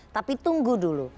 tapi tunggu dulu